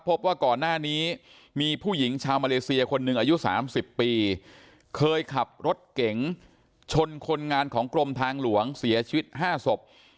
พบว่าก่อนหน้านี้มีผู้หญิงชาวมาเลเซียคนหนึ่งอายุ๓๐ปีเคยขับรถเก๋งชนคนงานของกรมทางหลวงเสียชีวิต๕ศพ